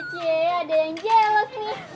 jeje ada yang jelek nih